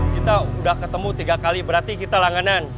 kita sudah ketemu tiga kali berarti kita langganan